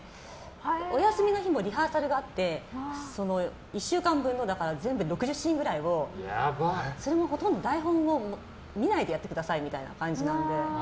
お休みの日もリハーサルがあって１週間分の６０シーンくらいをそれもほとんど台本を見ないでやってくださいみたいな感じなので。